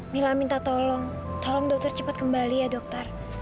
mila minta tolong tolong dokter cepat kembali ya dokter